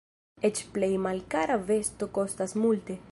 Eĉ plej malkara vesto kostas multe.